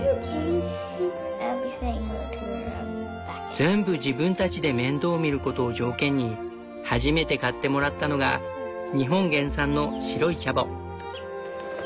全部自分たちで面倒みることを条件に初めて買ってもらったのが日本原産の白いチャボ。